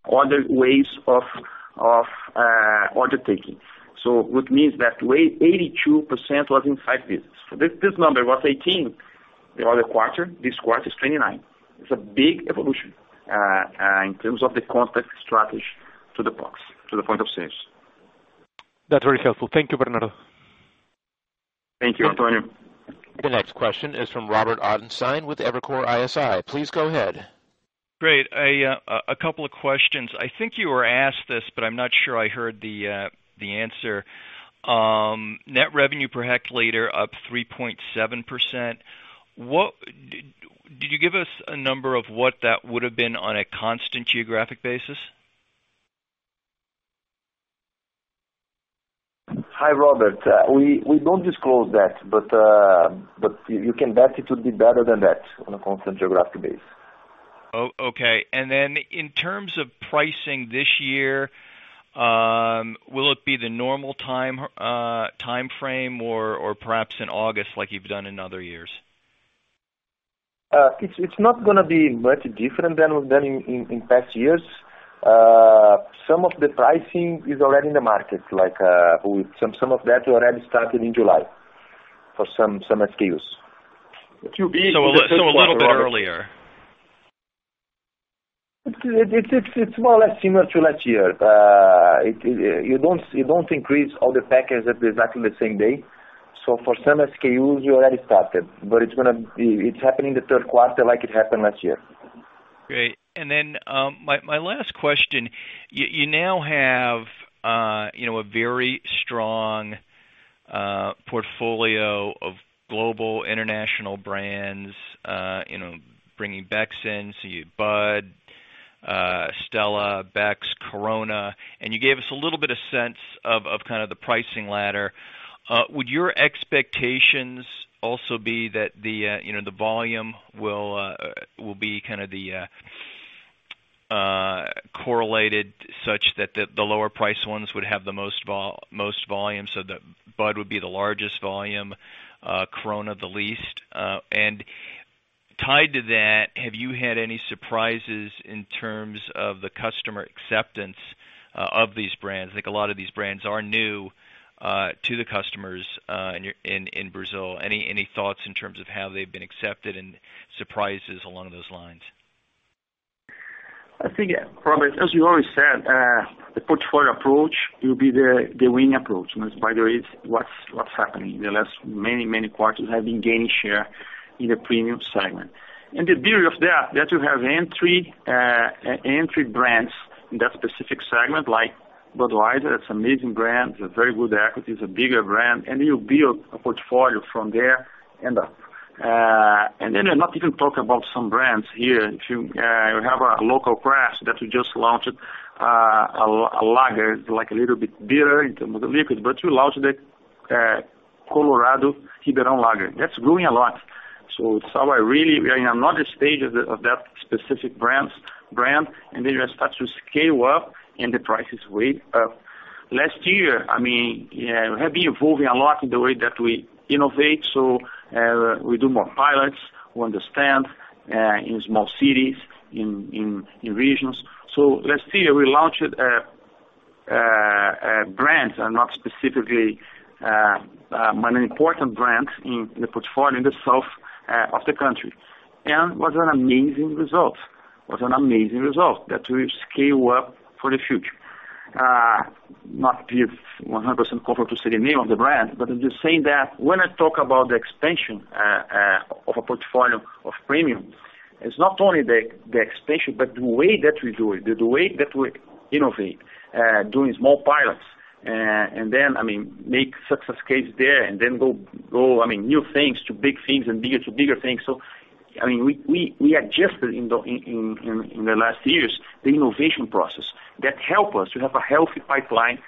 Speaker 3: other ways of order taking. What that means is, 82% was on-site visits. This number was 18% the other quarter. This quarter is 29%. It's a big evolution in terms of the contact strategy to the POS, to the point of sale.
Speaker 7: That's very helpful. Thank you, Bernardo.
Speaker 3: Thank you, Antonio.
Speaker 1: The next question is from Robert Ottenstein with Evercore ISI. Please go ahead.
Speaker 8: Great. A couple of questions. I think you were asked this, but I'm not sure I heard the answer. Net revenue per hectoliter up 3.7%. What did you give us a number of what that would have been on a constant geographic basis?
Speaker 3: Hi, Robert. We don't disclose that, but you can bet it would be better than that on a constant geographic basis.
Speaker 8: Okay. In terms of pricing this year, will it be the normal time, timeframe or perhaps in August, like you've done in other years?
Speaker 3: It's not gonna be much different than we've done in past years. Some of the pricing is already in the market, like, with some of that already started in July for some SKUs.
Speaker 8: A little bit earlier.
Speaker 3: It's more or less similar to last year. You don't increase all the packages at exactly the same day. For some SKUs, we already started. It's happening in the third quarter like it happened last year.
Speaker 8: Great. My last question, you now have you know a very strong portfolio of global international brands, you know, bringing Beck's in. You have Bud, Stella, Beck's, Corona, and you gave us a little bit of sense of kind of the pricing ladder. Would your expectations also be that you know the volume will be kind of correlated such that the lower priced ones would have the most volume, so that Bud would be the largest volume, Corona the least? Tied to that, have you had any surprises in terms of the customer acceptance of these brands? I think a lot of these brands are new to the customers in Brazil. Any thoughts in terms of how they've been accepted and surprises along those lines?
Speaker 3: I think, Robert, as you already said, the portfolio approach will be the winning approach. That's by the way it's what's happening. In the last many quarters, we have been gaining share in the Premium segment. The beauty of that you have entry brands in that specific segment like Budweiser. It's amazing brand, it's a very good equity. It's a bigger brand, and you build a portfolio from there. And then you're not even talking about some brands here. If you have a local craft that we just launched, a lager, like a little bit bitter in terms of the liquid. We launched it, Colorado Ribeirão Lager. That's growing a lot. We are in another stage of that specific brand, and then you start to scale up and the prices way up. Last year, I mean, we have been evolving a lot in the way that we innovate. We do more pilots. We understand in small cities, in regions. Last year we launched a brand, not specifically an important brand in the portfolio in the South of the country. It was an amazing result that we scale up for the future. Not give 100% comfort to say the name of the brand, but I'm just saying that when I talk about the expansion of a portfolio of premium, it's not only the expansion, but the way that we do it, the way that we innovate, doing small pilots, and then, I mean, make success case there and then go, I mean, new things to big things and bigger to bigger things. I mean, we adjusted in the last years the innovation process that help us to have a healthy pipeline,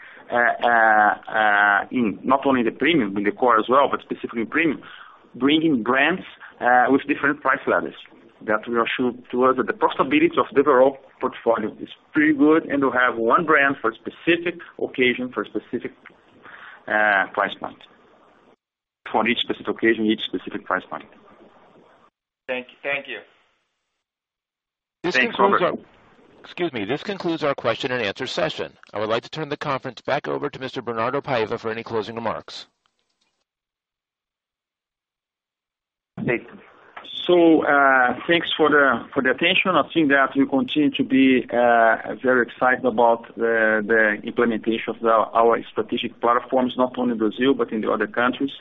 Speaker 3: in not only the premium, but the core as well, but specifically in premium, bringing brands with different price levels. That we are sure toward the profitability of the overall portfolio is pretty good, and we have one brand for specific occasion, for specific, price point. For each specific occasion, each specific price point.
Speaker 8: Thank you.
Speaker 1: This concludes our.
Speaker 8: Thanks, Robert.
Speaker 1: Excuse me. This concludes our question and answer session. I would like to turn the conference back over to Mr. Bernardo Paiva for any closing remarks.
Speaker 3: Great. Thanks for the attention. I think that we continue to be very excited about the implementation of our strategic platforms, not only in Brazil, but in the other countries.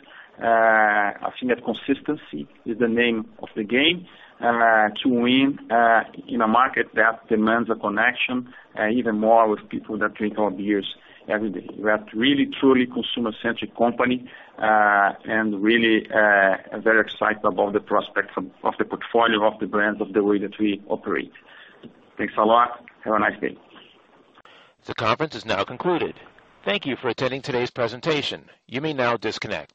Speaker 3: I think that consistency is the name of the game to win in a market that demands a connection even more with people that drink our beers every day. We are really, truly consumer-centric company and really very excited about the prospects of the portfolio, of the brands, of the way that we operate. Thanks a lot. Have a nice day.
Speaker 1: The conference is now concluded. Thank you for attending today's presentation. You may now disconnect.